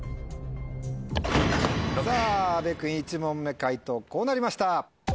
さぁ阿部君１問目解答こうなりました。